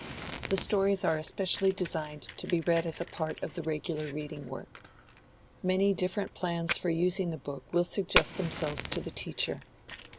The stories are especially designed to be read as a part of the regular reading work. Many different plans for using the book will suggest themselves to the teacher.